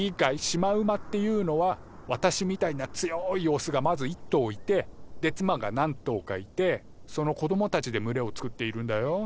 シマウマっていうのは私みたいな強いオスがまず一頭いてで妻が何頭かいてその子どもたちで群れを作っているんだよ。